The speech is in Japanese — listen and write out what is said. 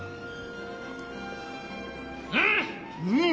うん！